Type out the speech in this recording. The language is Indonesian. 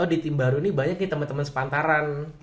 oh di tim baru ini banyak nih temen temen sepantaran